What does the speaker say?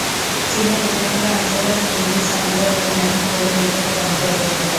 চীনের উপকূলীয় অঞ্চলের ভূমিরূপ সমতল এবং এখানে বহু বিখ্যাত বন্দর অবস্থিত।